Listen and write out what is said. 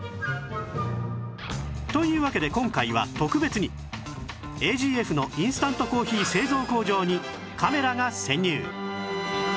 というわけで今回は特別に ＡＧＦ のインスタントコーヒー製造工場にカメラが潜入！